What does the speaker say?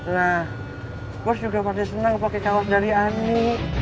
nah bos juga pasti senang pakai cawat dari ani